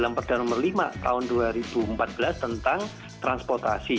jadi kalau di dalam perda nomor lima tahun dua ribu empat belas tentang transportasi